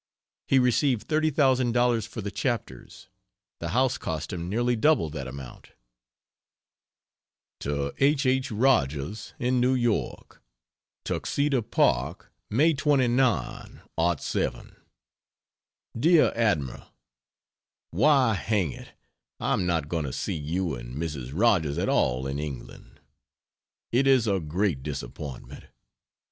He received thirty thousand dollars for the chapters; the house cost him nearly double that amount. To H. H. Rogers, in New York: TUXEDO PARK, May 29, '07. DEAR ADMIRAL, Why hang it, I am not going to see you and Mrs. Rogers at all in England! It is a great disappointment.